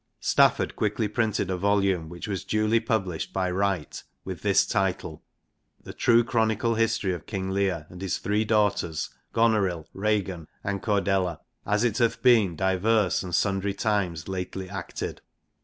Stafford quickly printed a volume, which was duly published by Wright, with this title : The True Chronicle History of King Leir, and his three daughters Gonorill, Ragan and Cordelia, as it hath bene divers and sundry times lately acted.